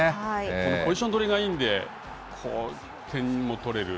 このポジション取りがいいんで、点も取れる。